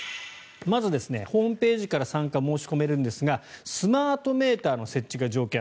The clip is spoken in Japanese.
まずホームページから参加を申し込めるんですがスマートメーターの設置が条件。